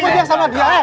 berpihak sama dia